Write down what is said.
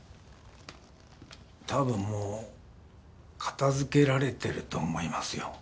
たぶんもう片づけられてると思いますよ。